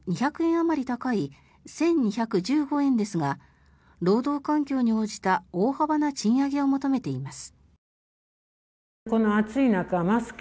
あまり高い１２１５円ですが労働環境に応じた大幅な賃上げを求めています。